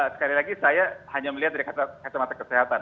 sekali lagi saya hanya melihat dari kacamata kesehatan